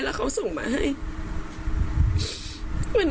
และถ้าบอกว่า